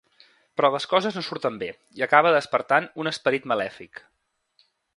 Però les coses no surten bé i acaba despertant un esperit malèfic.